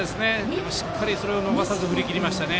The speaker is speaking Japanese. でもしっかり、それを逃さず振り切りましたね。